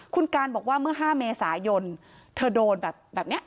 คุณการบอกว่าเมื่อ๕เมษายนเธอโดนแบบนี้